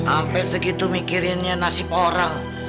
hampir segitu mikirinnya nasib orang